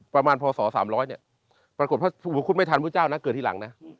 ประมาณพศ๓๐๐เนี่ยปรากฏพระอุปคุฎไม่ทันพระพุทธเจ้านะเกิดที่หลังนะ